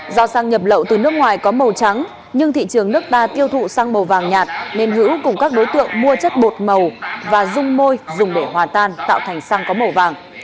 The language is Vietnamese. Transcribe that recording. do xăng nhập lậu từ nước ngoài có màu trắng nhưng thị trường nước ta tiêu thụ sang màu vàng nhạt nên hữu cùng các đối tượng mua chất bột màu và dung môi dùng để hòa tan tạo thành xăng có màu vàng